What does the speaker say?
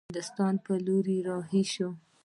هندوستان پر لور رهي شي.